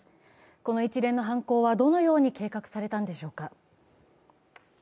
この一連の犯行はどのように計画されたんでしょうか。